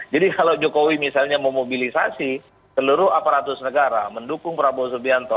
jadi kalau jokowi misalnya memobilisasi seluruh aparatus negara mendukung prabowo subianto